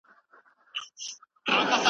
ژبه او ادب خدمت کوي.